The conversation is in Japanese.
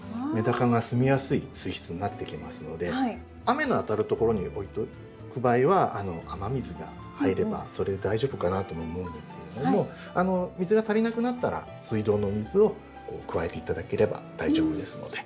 雨の当たるところに置いておく場合は雨水が入ればそれで大丈夫かなとも思うんですけれども水が足りなくなったら水道の水を加えて頂ければ大丈夫ですので。